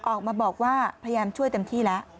ออกมาบอกว่าพยายามช่วยเต็มที่แล้ว